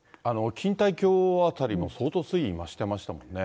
錦帯橋辺りも相当水位増してましたもんね。